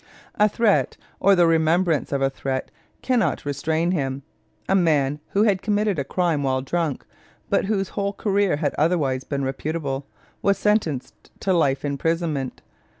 A threat, or the remembrance of a threat, cannot restrain him. A man who had committed a crime while drunk, but whose whole career had otherwise been reputable, was sentenced to life imprisonment.